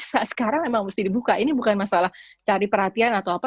sekarang memang mesti dibuka ini bukan masalah cari perhatian atau apa